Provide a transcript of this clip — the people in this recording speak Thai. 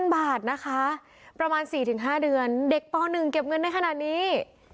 บาทนะคะประมาณ๔๕เดือนเด็กป๑เก็บเงินได้ขนาดนี้